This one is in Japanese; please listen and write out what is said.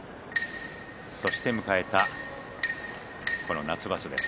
そして迎えた夏場所です。